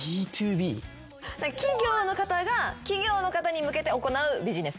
企業の方が企業の方に向けて行うビジネスのこと。